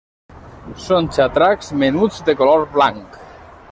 Són xatracs menuts de color blanc.